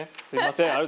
すいません。